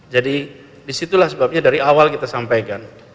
jadi disitulah sebabnya dari awal kita sampaikan